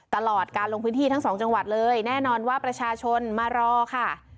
ตลอดการลงพื้นที่ทั้งสองจังหวัดเลยแน่นอนว่าประชาชนมารอค่ะ